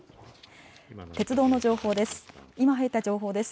鉄道の情報です。